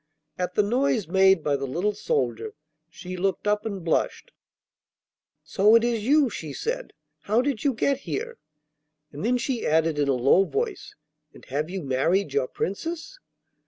At the noise made by the little soldier, she looked up and blushed. 'So it is you!' she said. 'How did you get here?' And then she added in a low voice, 'And have you married your Princess?